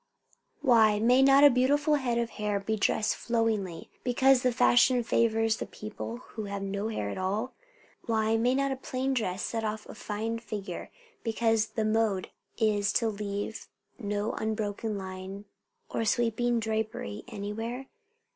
Why may not a beautiful head of hair be dressed flowingly, because the fashion favours the people who have no hair at all? Why may not a plain dress set off a fine figure, because the mode is to leave no unbroken line or sweeping drapery anywhere?